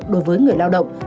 đối với người lao động